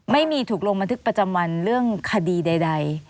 ไม่มีถูกลงบันทึกประจำวันเรื่องคดีใด